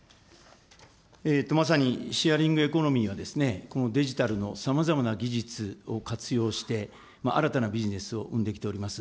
まさにシェアリングエコノミーはですね、このデジタルのさまざまな技術を活用して、新たなビジネスを生んできております。